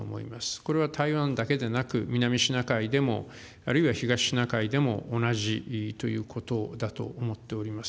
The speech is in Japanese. これは台湾だけでなく、南シナ海でも、あるいは東シナ海でも、同じということだと思っております。